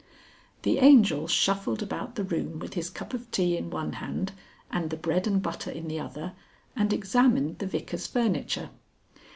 The Angel shuffled about the room with his cup of tea in one hand, and the bread and butter in the other, and examined the Vicar's furniture.